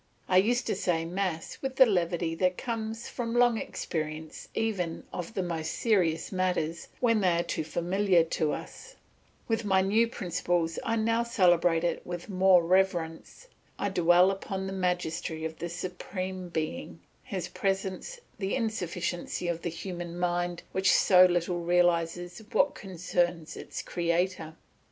I used to say Mass with the levity that comes from long experience even of the most serious matters when they are too familiar to us; with my new principles I now celebrate it with more reverence; I dwell upon the majesty of the Supreme Being, his presence, the insufficiency of the human mind, which so little realises what concerns its Creator.